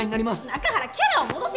中原キャラを戻せ！